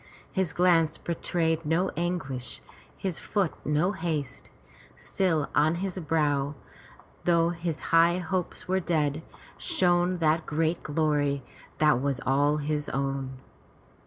His glance betrayed no anguish, his foot no haste. Still on his brow, though his high hopes were dead, shone that great glory that was all his own.